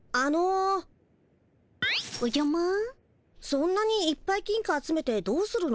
そんなにいっぱい金貨集めてどうするの？